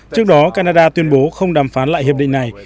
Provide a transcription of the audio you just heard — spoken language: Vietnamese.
trước đó canada tuyên bố không đàm phán lại hiệp định này